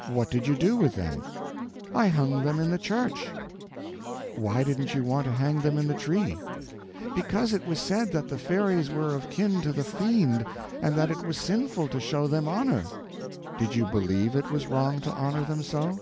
"What did you do with them?" "I hung them in the church." "Why didn't you want to hang them in the tree?" "Because it was said that the fairies were of kin to the Fiend, and that it was sinful to show them honor." "Did you believe it was wrong to honor them so?"